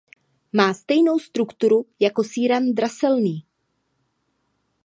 Má stejnou strukturu jako síran draselný.